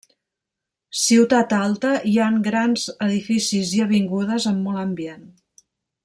Ciutat Alta hi han grans edificis i avingudes amb molt ambient.